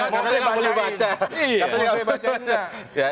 katanya nggak perlu baca